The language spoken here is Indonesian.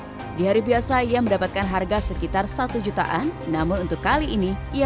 di hari biasa ia mendapatkan harga sekitar satu jutaan namun untuk kali ini ia